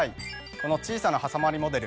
この小さなはさまりモデル